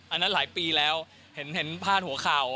อันนั้นหลายปีแล้วเห็นพาดหัวข่าว